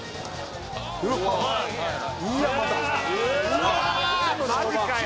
「うわー！マジかよ！」